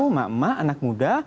emak emak anak muda